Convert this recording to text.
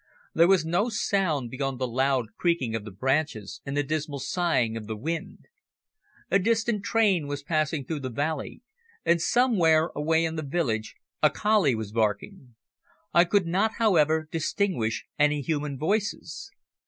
There was no sound beyond the low creaking of the branches and the dismal sighing of the wind. A distant train was passing through the valley, and somewhere away down in the village a collie was barking. I could not, however, distinguish any human voices.